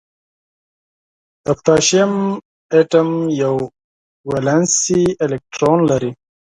د پوتاشیم اتوم یو ولانسي الکترون لري.